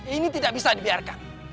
ini tidak bisa dibiarkan